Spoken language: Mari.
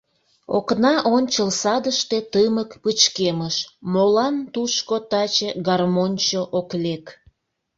Окна ончыл садыште тымык пычкемыш, Молан тушко таче гармоньчо ок лек?